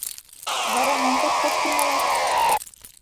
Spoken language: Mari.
Вара мом кочкаш тӱҥалат?